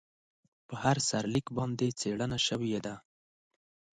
په هر سرلیک باندې څېړنه شوې ده.